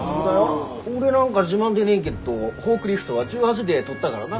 俺なんか自慢でねえげっとフォークリフトは１８で取ったがらな。